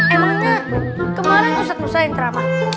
emangnya kemarin ustadz musa yang teramah